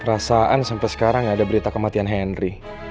perasaan sampai sekarang gak ada berita kematian henry